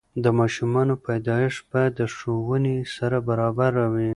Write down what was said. د ماشومانو پیدایش باید د ښوونې سره برابره وي.